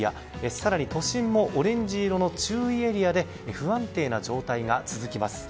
更に都心もオレンジ色の注意エリアで不安定な状態が続きます。